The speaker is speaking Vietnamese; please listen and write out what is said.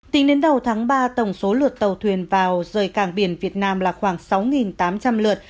tính đến đầu tháng ba tổng số lượt tàu thuyền vào rời cảng biển việt nam là khoảng sáu tám trăm linh lượt